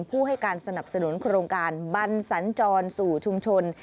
ผู้ให้การสนับสนุนโครงการบันสัญจรสู่ชุมชน